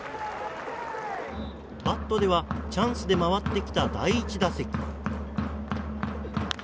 バットではチャンスで回ってきた第１打席。